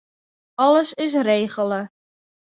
Alles is regele.